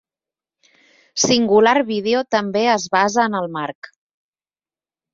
Cingular Video també es basa en el marc.